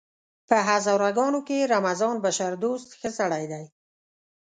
په هزاره ګانو کې رمضان بشردوست ښه سړی دی!